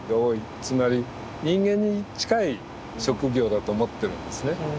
つまり人間に近い職業だと思ってるんですね。